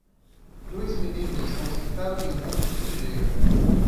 Dois meninos estão sentados em um monte de sujeira.